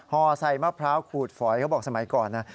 ห่อใส่มะพร้าวขูดฝอยเขาบอกสมัยก่อนนะ